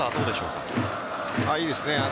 いいですね。